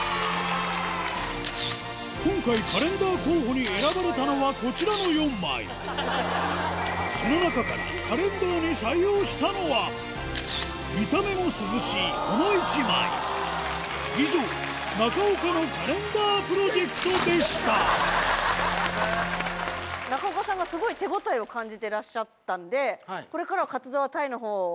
今回カレンダー候補に選ばれたのはこちらの４枚その中から見た目も涼しいこの１枚以上中岡の「カレンダープロジェクト」でした中岡さんがスゴい手応えを感じてらっしゃったんでこれからは活動はタイのほうを中心に？